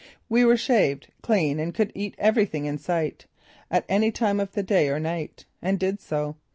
We were shaved, clean and could eat everything in sight, at any time of the day or night. And did so.